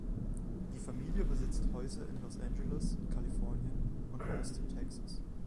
Die Familie besitzt Häuser in Los Angeles, Kalifornien und Austin, Texas.